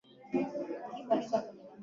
upungufu mkubwaUpungufu huu unaonyesha kwamba